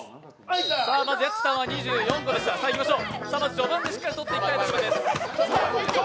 序盤でしっかりとっていきたいところです。